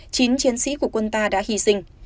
chín chiến sĩ của quân ta đã hy sinh